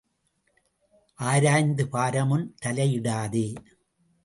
ஆராய்ந்து பாராமுன் தலையிடாதே.